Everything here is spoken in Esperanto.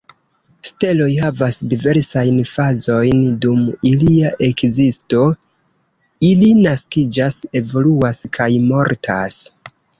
Steloj havas diversajn fazojn dum ilia ekzisto: ili naskiĝas, evoluas, kaj mortas.